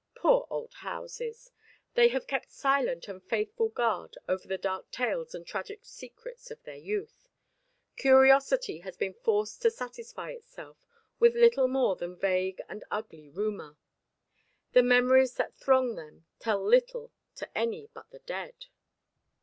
Poor old houses! They have kept silent and faithful guard over the dark tales and tragic secrets of their youth; curiosity has been forced to satisfy itself with little more than vague and ugly rumour. The memories that throng them tell little to any but the dead.